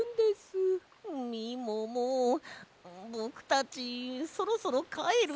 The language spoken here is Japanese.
みももぼくたちそろそろかえるよ。